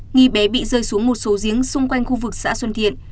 nghi bé bị rơi xuống một số giếng xung quanh khu vực xã xuân thiện